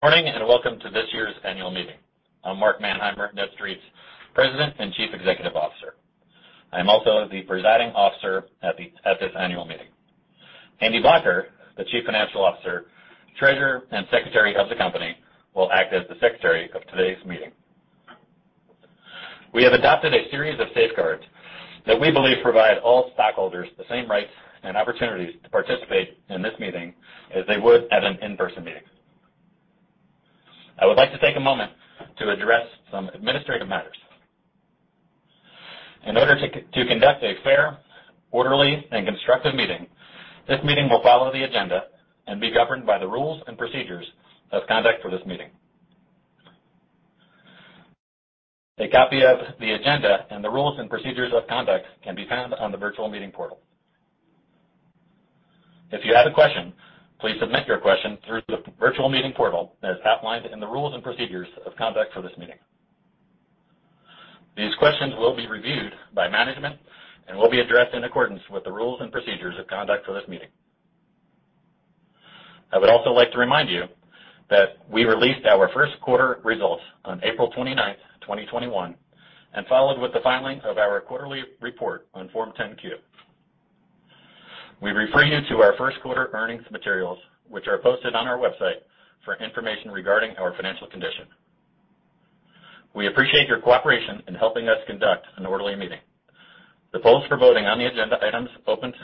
Good morning, and welcome to this year's annual meeting. I'm Mark Manheimer, NETSTREIT's President and Chief Executive Officer. I'm also the presiding officer at this annual meeting. Andy Blocher, the Chief Financial Officer, Treasurer, and Secretary of the company, will act as the Secretary of today's meeting. We have adopted a series of safeguards that we believe provide all stockholders the same rights and opportunities to participate in this meeting as they would at an in-person meeting. I would like to take a moment to address some administrative matters. In order to conduct a fair, orderly, and constructive meeting, this meeting will follow the agenda and be governed by the rules and procedures of conduct for this meeting. A copy of the agenda and the rules and procedures of conduct can be found on the virtual meeting portal. If you have a question, please submit your question through the virtual meeting portal as outlined in the rules and procedures of conduct for this meeting. These questions will be reviewed by management and will be addressed in accordance with the rules and procedures of conduct for this meeting. I would also like to remind you that we released our first-quarter results on April 29th, 2021, and followed with the filing of our quarterly report on Form 10-Q. We refer you to our first-quarter earnings materials, which are posted on our website for information regarding our financial condition. We appreciate your cooperation in helping us conduct an orderly meeting. The polls for voting on the agenda items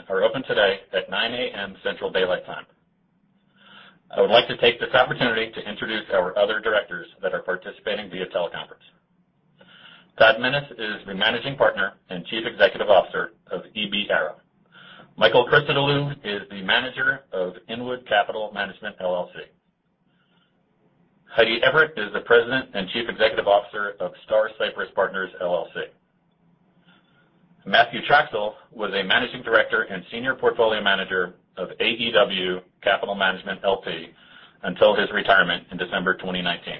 are open today at 9:00 A.M. Central Daylight Time. I would like to take this opportunity to introduce our other directors that are participating via teleconference. Todd Minnis is the Managing Partner and Chief Executive Officer of EB Arrow. Michael Christodoulou is the Manager of Inwood Capital Management LLC. Heidi Everett is the President and Chief Executive Officer of Star Cypress Partners, LLC. Matthew Troxell was a Managing Director and Senior Portfolio Manager of AEW Capital Management, LP until his retirement in December 2019.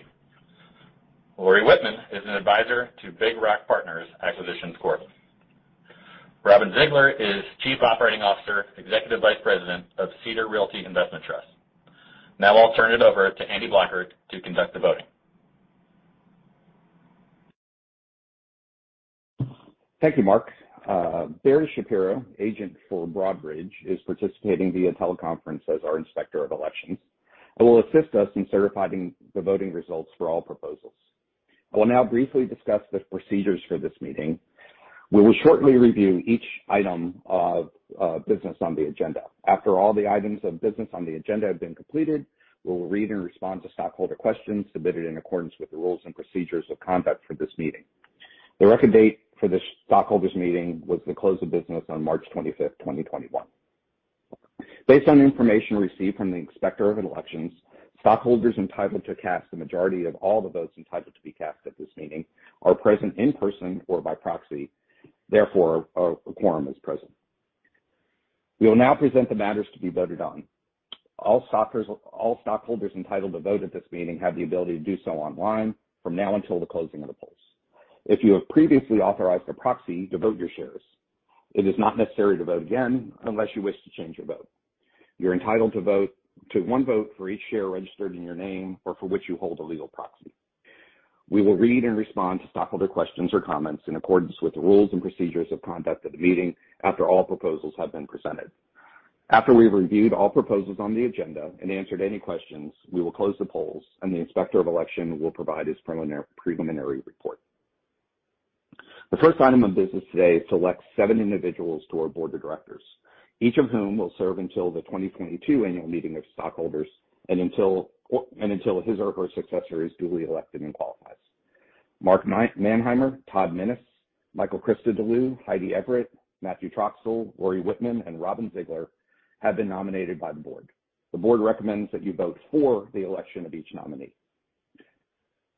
Lori Wittman is an advisor to Big Rock Partners Acquisition Corp. Robin Zeigler is Chief Operating Officer, Executive Vice President of Cedar Realty Trust. I'll turn it over to Andy Blocher to conduct the voting. Thank you, Mark. Barry Shapero, agent for Broadridge, is participating via teleconference as our Inspector of Elections, and will assist us in certifying the voting results for all proposals. I will now briefly discuss the procedures for this meeting. We will shortly review each item of business on the agenda. After all the items of business on the agenda have been completed, we will read and respond to stockholder questions submitted in accordance with the rules and procedures of conduct for this meeting. The record date for the stockholders meeting was the close of business on March 25th, 2021. Based on information received from the Inspector of Elections, stockholders entitled to cast the majority of all the votes entitled to be cast at this meeting are present in person or by proxy. Therefore, a quorum is present. We will now present the matters to be voted on. All stockholders entitled to vote at this meeting have the ability to do so online from now until the closing of the polls. If you have previously authorized a proxy to vote your shares, it is not necessary to vote again unless you wish to change your vote. You're entitled to one vote for each share registered in your name or for which you hold a legal proxy. We will read and respond to stockholder questions or comments in accordance with the rules and procedures of conduct of the meeting after all proposals have been presented. After we've reviewed all proposals on the agenda and answered any questions, we will close the polls and the Inspector of Elections will provide his preliminary report. The first item of business today is to elect seven individuals to our board of directors, each of whom will serve until the 2022 annual meeting of stockholders and until his or her successor is duly elected and qualifies. Mark Manheimer, Todd Minnis, Michael Christodolou, Heidi Everett, Matthew Troxell, Lori Wittman, and Robin Zeigler have been nominated by the board. The board recommends that you vote for the election of each nominee.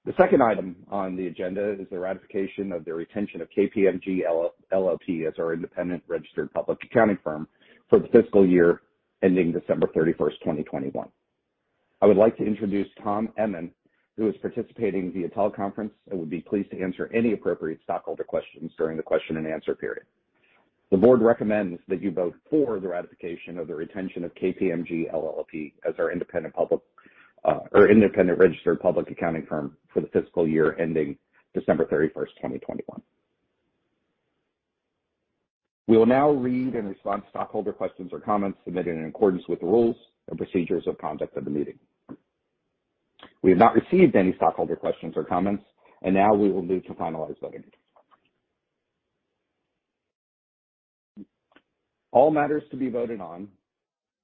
The second item on the agenda is the ratification of the retention of KPMG LLP as our independent registered public accounting firm for the fiscal year ending December 31st, 2021. I would like to introduce [Tom Emman, who is participating via teleconference and would be pleased to answer any appropriate stockholder questions during the question and answer period. The board recommends that you vote for the ratification of the retention of KPMG LLP as our independent registered public accounting firm for the fiscal year ending December 31st, 2021. We will now read and respond to stockholder questions or comments submitted in accordance with the rules and procedures of conduct of the meeting. We have not received any stockholder questions or comments, and now we will move to finalizing. All matters to be voted on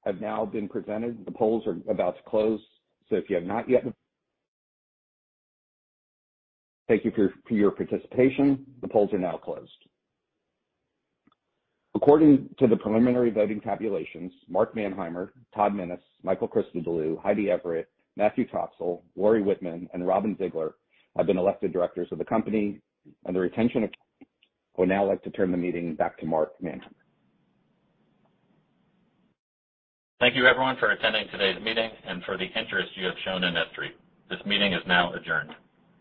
have now been presented. The polls are about to close. Thank you for your participation. The polls are now closed. According to the preliminary voting tabulations, Mark Manheimer, Todd Minnis, Michael Christodolou, Heidi Everett, Matthew Troxell, Lori Wittman, and Robin Zeigler have been elected directors of the company. We will now like to turn the meeting back to Mark Manheimer. Thank you everyone for attending today's meeting and for the interest you have shown in NETSTREIT. This meeting is now adjourned.